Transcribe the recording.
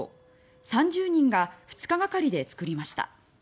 ３０人が２日がかりで作りました。